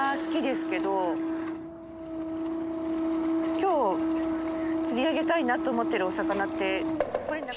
きょう釣り上げたいなと思ってるお魚って。